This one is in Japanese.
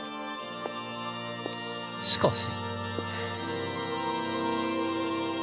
しかし。